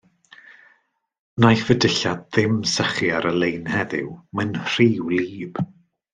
Wnaiff y dillad ddim sychu ar y lein heddiw, mae'n rhy wlyb.